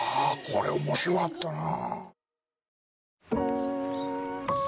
これ面白かったな。